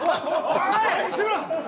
おい！